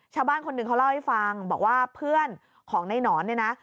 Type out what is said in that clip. ชาวบ้านคนหนึ่งเขาเล่าให้ฟังบอกว่าเพื่อนของในหนอนเนี่ยนะ